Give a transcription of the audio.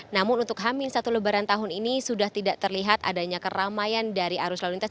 namun untuk hamil satu lebaran tahun ini sudah tidak terlihat adanya keramaian dari arus lalu lintas